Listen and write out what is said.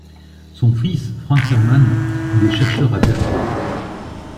Son fils, Franck Herman, il est chercheur à Berkeley…